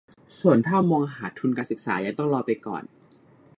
ส่วนถ้ามองหาทุนการศึกษายังต้องรอไปก่อน